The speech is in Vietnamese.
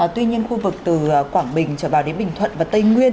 tuy nhiên khu vực từ quảng bình trở vào đến bình thuận và tây nguyên